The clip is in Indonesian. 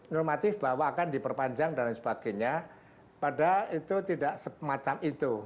normatif bahwa akan diperpanjang dan sebagainya padahal itu tidak semacam itu